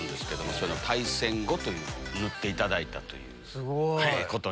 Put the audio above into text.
それの大戦後というのを縫っていただいたということに。